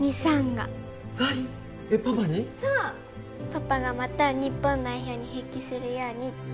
パパがまた日本代表に復帰するようにって